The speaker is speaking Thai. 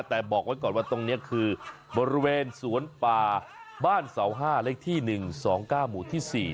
แต่บอกไว้ก่อนว่าตรงนี้คือบริเวณสวนป่าบ้านเสา๕เลขที่๑๒๙หมู่ที่๔